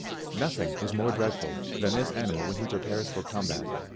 Nothing is more dreadful than this animal when he prepares for combat.